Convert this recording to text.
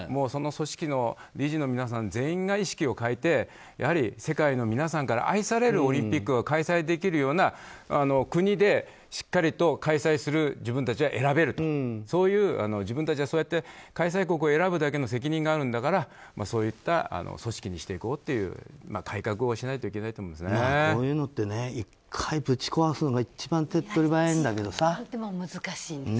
組織の理事の皆さん全員が意識を変えて世界の皆さんから愛されるオリンピックを開催できるような国で、しっかりと開催する自分たちは選べると自分たちはそうやって開催国を選ぶだけの責任があるんだからそういった組織にしていこうという改革をしないといけないとこういうのって１回ぶち壊すのが難しいんですけどね。